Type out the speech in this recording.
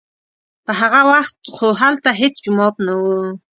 په هغه وخت خو هلته هېڅ جومات نه و.